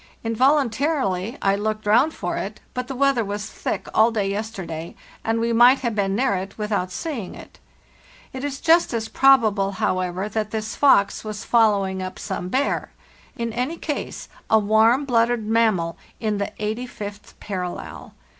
Involuntarily I looked round for it, but the weather was thick all day yesterday, and we might have been near it without seeing it. It is just as probable, however, that this fox was following up some bear. In any case, a warm blooded mammal in the eighty fifth parallel!